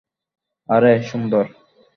আরে, সুন্দর!